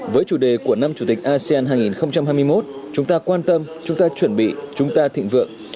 với chủ đề của năm chủ tịch asean hai nghìn hai mươi một chúng ta quan tâm chúng ta chuẩn bị chúng ta thịnh vượng